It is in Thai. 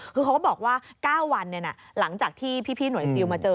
คือเขาก็บอกว่า๙วันหลังจากที่พี่หน่วยซิลมาเจอ